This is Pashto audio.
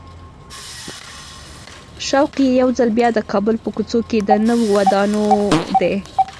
شوق یې یو ځل بیا د کابل په کوڅو کې د نویو وادونو دی.